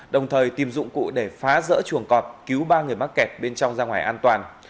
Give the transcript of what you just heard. đồng thời tìm dụng cụ để phá rỡ chuồng cọp cứu ba người mắc kẹt bên trong ra ngoài an toàn